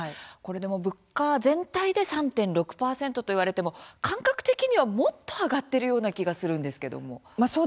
物価全体で３．６％と言われても、感覚的にはもっと上がっているような気がするんですけども。